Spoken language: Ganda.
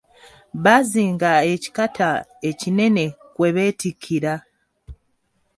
Bazinga ekikata ekinene kwe beetikkira.